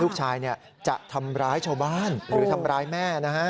ลูกชายจะทำร้ายชาวบ้านหรือทำร้ายแม่นะฮะ